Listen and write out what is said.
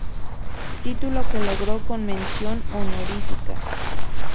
Título que logró con mención honorífica.